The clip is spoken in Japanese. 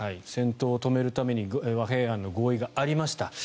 戦闘を止めるために和平案の合意がありました。